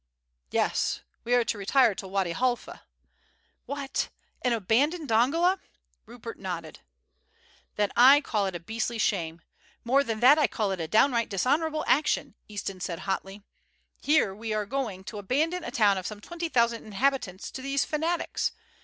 "Yes, we are to retire to Wady Halfa." "What! and abandon Dongola?" Rupert nodded. "Then I call it a beastly shame. More than that, I call it a downright dishonourable action!" Easton said hotly. "Here we are going to abandon a town of some twenty thousand inhabitants to these fanatics.